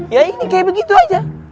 ya ini kayak begitu aja